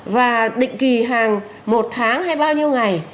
và định kỳ hàng một tháng hay bao nhiêu ngày